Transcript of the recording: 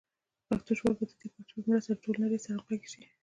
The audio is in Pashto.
پښتو ژبه به د دې پروژې په مرسته د ټولې نړۍ سره همغږي شي.